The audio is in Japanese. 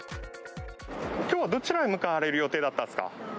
きょう、どちらへ向かわれる予定だったんですか。